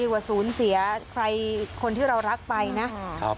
ดีกว่าศูนย์เสียคนที่เรารักไปนะครับ